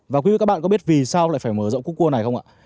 và quý vị các bạn có biết vì sao lại phải mở rộng cúc cua này không ạ